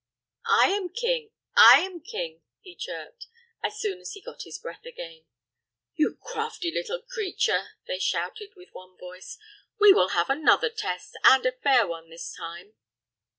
"I am king! I am king!" he chirped, as soon as he got his breath again. "You crafty little creature!" they shouted, with one voice. "We will have another test, and a fair one this time."